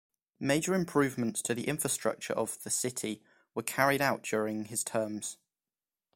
Major improvements to the infrastructure of the city were carried out during his terms.